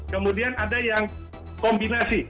kemudian ada yang kombinasi